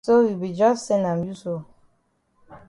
So you be jus sen am you so.